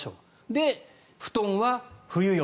で、布団は冬用。